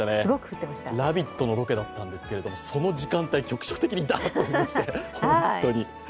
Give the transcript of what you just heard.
「ラヴィット！」のロケだったんですけれども、その時間、局所的にダーッと降りました。